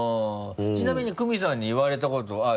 ちなみにクミさんに言われたことある？